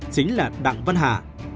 chính là đặng văn hà